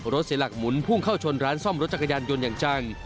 เสียหลักหมุนพุ่งเข้าชนร้านซ่อมรถจักรยานยนต์อย่างจัง